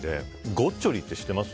ゴッチョリって知ってます？